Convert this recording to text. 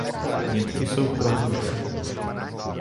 Nitky jsou prohnuté.